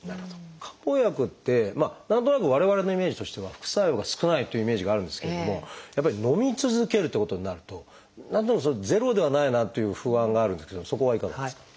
漢方薬って何となく我々のイメージとしては副作用が少ないというイメージがあるんですけれどもやっぱりのみ続けるっていうことになると何となくゼロではないなっていう不安があるんですけどそこはいかがですか？